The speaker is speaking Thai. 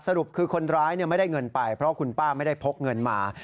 สรุปคือคนร้ายไม่ได้เงินไปเพราะคุณป้าไม่ได้พกเงินมา